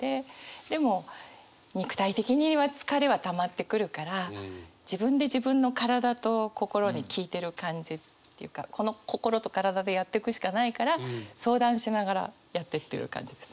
でも肉体的には疲れはたまってくるから自分で自分の体と心に聞いてる感じっていうかこの心と体でやっていくしかないから相談しながらやっていってる感じです。